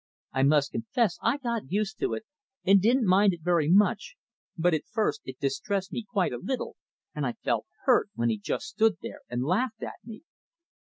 I must confess I got used to it, and didn't mind it very much, but at first it distressed me quite a little, and I felt hurt when he just stood there and laughed at me.